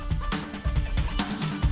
terima kasih pak ajajah